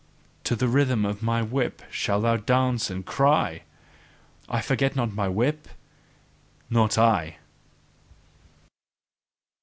To the rhythm of my whip shalt thou dance and cry! I forget not my whip? Not I!"